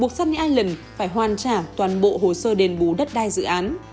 buộc sunny ireland phải hoàn trả toàn bộ hồ sơ đền bù đất đai dự án